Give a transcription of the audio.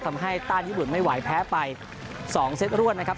ทำให้ต้านญี่ปุ่นไม่ไหวแพ้ไป๒เซตรวนนะครับ